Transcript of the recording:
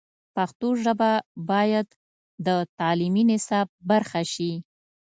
پښتو ژبه باید د تعلیمي نصاب برخه شي.